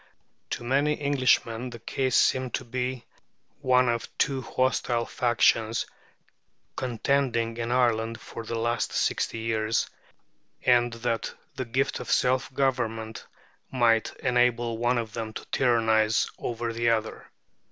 To many Englishmen the case seemed to be one of two hostile factions contending in Ireland for the last sixty years, and that the gift of self government might enable one of them to tyrannize over the other.